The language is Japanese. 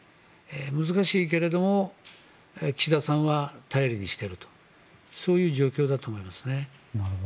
難しいけれども岸田さんは頼りにしているとそういう状況だと思いますね。